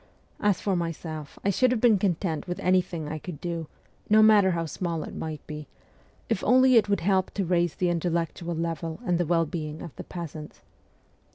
As for my self, I should have been content with anything I could do, no matter how small it might be, if only it would help to raise the intellectual level and the well being of the peasants.